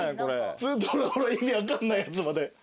ずっとほらほら意味分かんないやつまで。